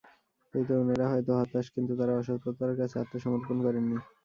এই তরুণেরা হয়তো হতাশ, কিন্তু তাঁরা অসততার কাছে আত্মসমর্পণ করেননি।